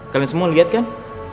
kalian semua lihat kan